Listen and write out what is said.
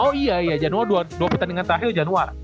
oh iya iya januar dua pertandingan terakhir januar